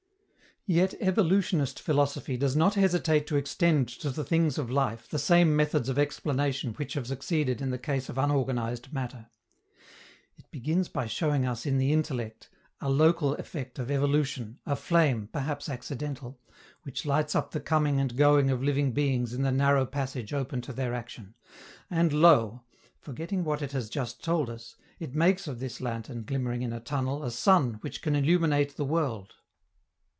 Yet evolutionist philosophy does not hesitate to extend to the things of life the same methods of explanation which have succeeded in the case of unorganized matter. It begins by showing us in the intellect a local effect of evolution, a flame, perhaps accidental, which lights up the coming and going of living beings in the narrow passage open to their action; and lo! forgetting what it has just told us, it makes of this lantern glimmering in a tunnel a Sun which can illuminate the world.